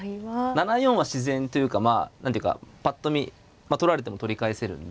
７四は自然というか何というかぱっと見取られても取り返せるんで。